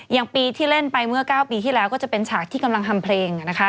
อย่างปีที่เล่นไปเมื่อ๙ปีที่แล้วก็จะเป็นฉากที่กำลังทำเพลง